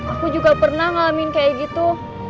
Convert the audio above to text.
aku juga pernah ngalamin kayak gitu